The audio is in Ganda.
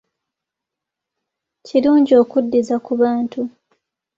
Kirungi okuddiza ku bantu.